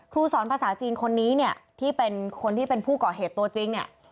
ครูสอนภาษาจีนคนนี้เนี่ยที่เป็นคนที่เป็นผู้ก่อเหตุตัวจริงเนี่ย